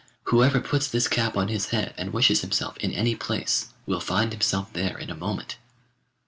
Whoever puts this cap on his head and wishes himself in any place, will find himself there in a moment.